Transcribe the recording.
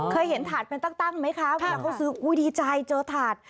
เคยเห็นถาดเป็นตั้งไหมคะเวลาเขาซื้ออุ้ยดีใจเจอถาด